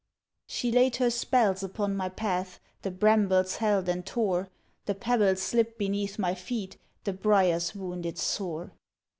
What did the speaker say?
She laid her spells upon my path. The brambles held and tore. The pebbles slipped beneath my feet, The briars wounded sore.